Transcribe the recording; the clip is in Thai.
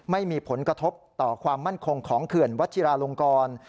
ไม่มีผลกระทบต่อความมั่นคงของเขื่อนวัชิราลงกร